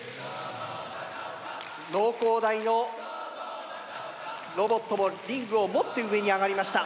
農工大のロボットもリングを持って上に上がりました。